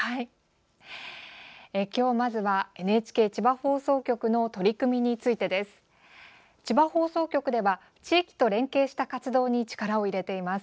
まずはＮＨＫ千葉放送局の取り組みについてです。